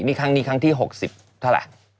นี่ครั้งที่๖๐เท่าไหร่